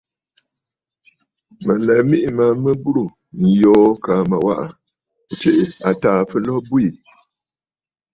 Mə̀ lɛ miʼì ma mɨ burə̀ yoo kaa mə waʼà tsiʼì àtàà fɨlo bwiî.